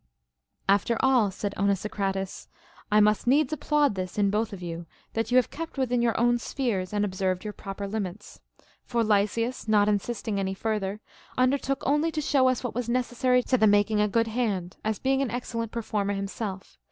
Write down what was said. After all, said Onesicrates, I must needs applaud this in both of you, that you have kept within your own spheres * See Section 2. 13 i CONCERNING MUSIC. and observed your proper limits. For Lysias, not insisting any further, undertook only to show us what was necessary to the making a good hand, as being an excellent per former himself.